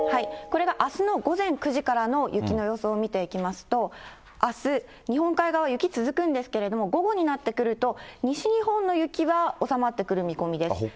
これがあすの午前９時からの雪の予想見ていきますと、あす、日本海側は雪続くんですけれども、午後になってくると、西日本の雪は収まってくる見込みです。